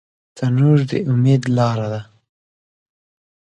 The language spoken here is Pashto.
تنور د امید لاره ده